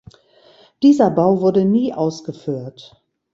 Dieser Bau wurde nie ausgeführt.